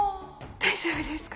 大丈夫ですか？